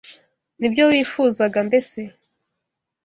Nibyo wifuzaga, mbese?